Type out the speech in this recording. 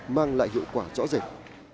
mang lại hiệu quả rõ ràng